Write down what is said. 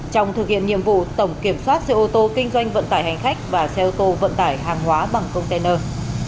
trong thực hiện nhiệm vụ tổng kiểm soát xe ô tô kinh doanh vận tải hành khách và xe ô tô vận tải hàng hóa bằng container